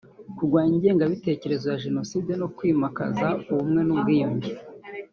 kurwanya ingengabitekerezo ya Jenoside no kwimakaza Ubumwe n’Ubwiyunge